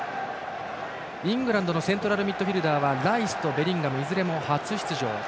イングランドのセントラルミッドフィールダーはライスとベリンガムいずれも初出場。